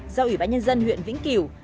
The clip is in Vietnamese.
giao ủy bãi nhân dân huyện vĩnh kiểu